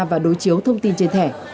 và đối chiếu thông tin trên thẻ